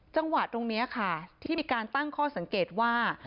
จังหวะตรงนี้ค่ะที่มีการตั้งข้อสังเกตว่า